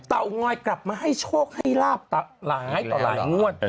เตางอยกลับมาให้โชคให้ลาบหลายต่อหลายงวด